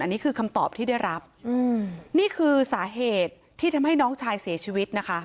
อันนี้คือคำตอบที่ได้รับนี่คือสาเหตุที่ทำให้น้องชายเสียชีวิตนะคะ